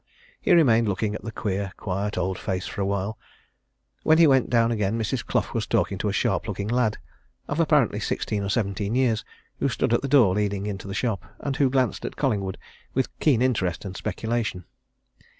He remained looking at the queer, quiet, old face for a while; when he went down again, Mrs. Clough was talking to a sharp looking lad, of apparently sixteen or seventeen years, who stood at the door leading into the shop, and who glanced at Collingwood with keen interest and speculation.